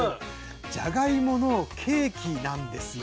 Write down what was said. じゃがいものケーキなんですよ。